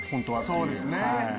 そうですね。